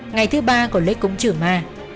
ngày thứ ba của lễ cúng chửa ma